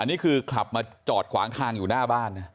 นี่คือขับมาจอดขวางทางอยู่หน้าบ้านนะ